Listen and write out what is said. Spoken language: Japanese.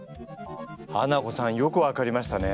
ハナコさんよく分かりましたね。